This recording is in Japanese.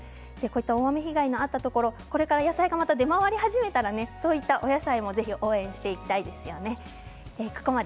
大雨被害があったところこれからお野菜が出回り始めたらそういうお野菜もぜひ応援していきたいですよね。